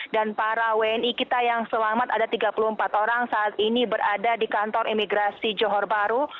dan para wni kita yang selamat ada tiga puluh empat orang saat ini berada di kantor imigrasi johor baru